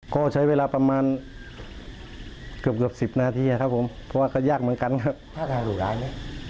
ก็ใช้เวลาประมาณเกือบเกือบ๑๐นาทีครับผมเพราะว่าก็ยากเหมือนกันครับ